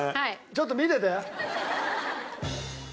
ちょっと見てて。